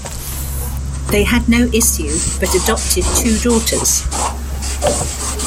They had no issue but adopted two daughters.